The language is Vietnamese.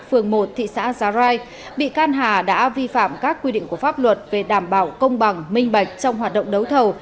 phường một thị xã giá rai bị can hà đã vi phạm các quy định của pháp luật về đảm bảo công bằng minh bạch trong hoạt động đấu thầu